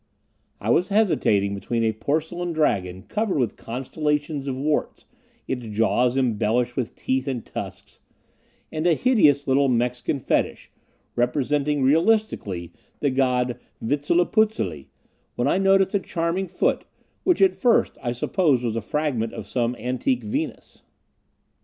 I was hesitating between a porcelain dragon covered with constellations of warts, its jaws embellished with teeth and tusks, and a hideous little Mexican fetish, representing realistically the god Vitziliputzili, when I noticed a charming foot, which at first I supposed was a fragment of some antique Venus.